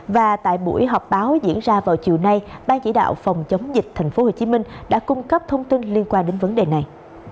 và tại buổi họp báo diễn ra vào chiều nay ban chỉ đạo phòng chống dịch tp hcm đã cung cấp thông tin liên quan đến vấn đề này